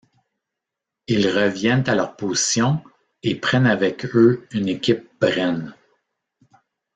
Ils reviennent à leurs positions et prennent avec eux une équipe Bren.